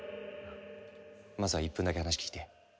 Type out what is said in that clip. まずは１分だけ話聞いて。